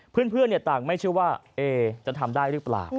เพื่อนต่างไม่เชื่อว่าเอจะทำได้หรือเปล่า